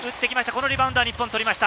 このリバウンドは日本取りました。